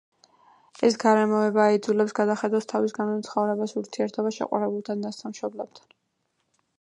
ეს გარემოება აიძულებს გადახედოს თავის განვლილ ცხოვრებას, ურთიერთობას შეყვარებულთან, დასთან, მშობლებთან.